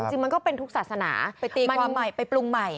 จริงมันก็เป็นทุกศาสนาไปตีความใหม่ไปปรุงใหม่